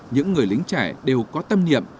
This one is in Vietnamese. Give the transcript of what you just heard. những người lính trẻ đều có tâm niệm